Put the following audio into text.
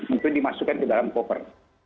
itu dimasukkan ke dalam koper